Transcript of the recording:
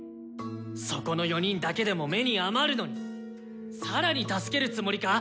そこの４人だけでも目に余るのに更に助けるつもりか？